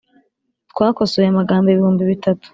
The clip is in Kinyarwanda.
Twakosoye amagambo ibihumbi bitatu